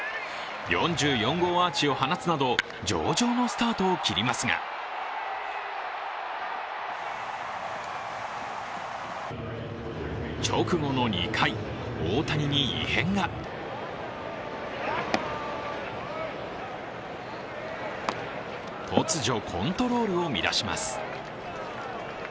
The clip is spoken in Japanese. ４４号アーチを放つなど、上々のスタートを切りますが直後の２回、大谷に異変が突如、コントロールを乱します。